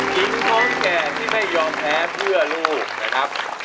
หญิงท้องแก่ที่ไม่ยอมแพ้เพื่อลูกนะครับ